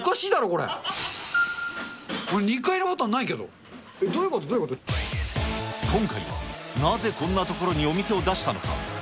これ、２階のボタンないけど、どういう今回は、なぜこんな所にお店を出したのか。